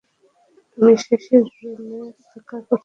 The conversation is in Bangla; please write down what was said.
আমি শেষের রুমে অপেক্ষা করছি।